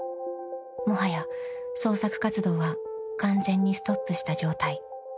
［もはや捜索活動は完全にストップした状態］